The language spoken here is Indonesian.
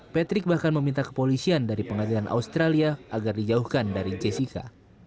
patrick bahkan meminta kepolisian dari pengadilan australia agar dijauhkan dari jessica